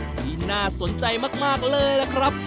ที่น่าสนใจมากเลยล่ะครับ